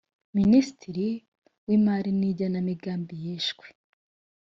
minisitiri w imari n igenamigambi yishwe